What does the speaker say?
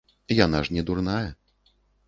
Яна ж не дурная.